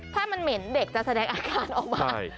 ถ้ามันเหม็นเด็กจะแสดงอาการออกมา